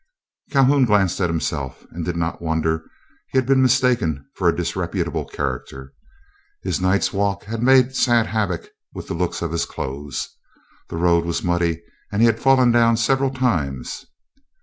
Calhoun glanced at himself, and did not wonder he had been mistaken for a disreputable character. His night's walk had made sad havoc with the looks of his clothes. The road was muddy, and he had fallen down several times.